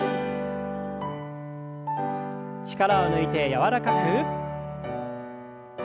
力を抜いて柔らかく。